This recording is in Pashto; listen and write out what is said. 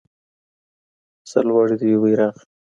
سرلوړی دې وي بيرغ.